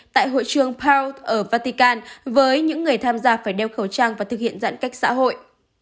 tại hội trường pow ở vatikan với những người tham gia phải đeo khẩu trang và thực hiện giãn cách xã hội